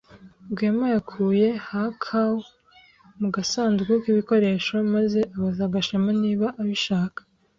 Rwema yakuye hackaw mu gasanduku k'ibikoresho maze abaza Gashema niba abishaka.